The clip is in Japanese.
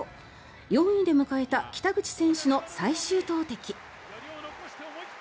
４位で迎えた北口選手の最終投てき。